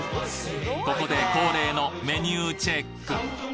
ここで恒例のメニューチェック！